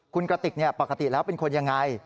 คุณกระติกปกติแล้วเป็นคนยังไง